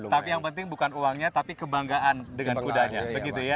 tapi yang penting bukan uangnya tapi kebanggaan dengan kudanya begitu ya